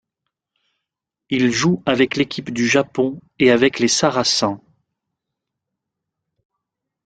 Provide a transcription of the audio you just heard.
Il joue avec l'équipe du Japon et avec les Saracens.